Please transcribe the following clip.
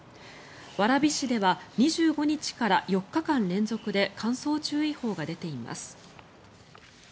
蕨市では２５日から４日間連続で乾燥注意報が出ています。